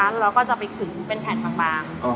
แล้วก็จะไปขึงเป็นแผ่นบาง